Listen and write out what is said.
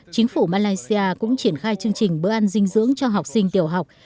chính phủ malaysia cũng triển khai chương trình bữa ăn dinh dưỡng cho học sinh tiểu học